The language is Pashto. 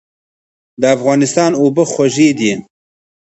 د افغانستان اوبه خوږې دي.